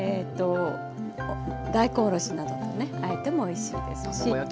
大根おろしなどとねあえてもおいしいですし。